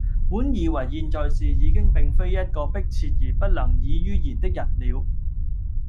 本以爲現在是已經並非一個切迫而不能已于言的人了，